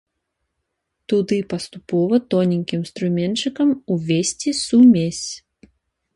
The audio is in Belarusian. Туды паступова тоненькім струменьчыкам увесці сумесь.